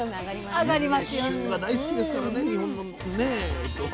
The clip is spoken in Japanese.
みんな旬が大好きですからね日本のね人は。